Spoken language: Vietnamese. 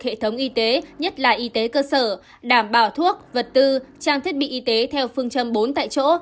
hệ thống y tế nhất là y tế cơ sở đảm bảo thuốc vật tư trang thiết bị y tế theo phương châm bốn tại chỗ